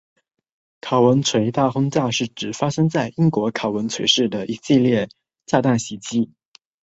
考文垂大轰炸是指发生在英国考文垂市的一系列炸弹袭击。